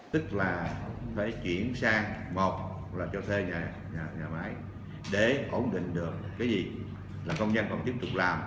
tức là phải chuyển sang một là cho thuê nhà máy để ổn định được cái gì là công nhân không tiếp tục làm